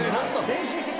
練習してた？